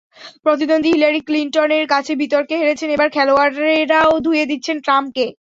প্রতিদ্বন্দ্বী হিলারি ক্লিনটনের কাছে বিতর্কে হেরেছেন, এবার খেলোয়াড়েরাও ধুয়ে দিচ্ছেন ট্রাম্পকে।